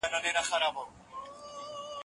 که وخت وي وخت تېرووم